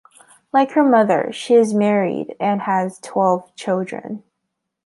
Like her mother she is married and has twelve children.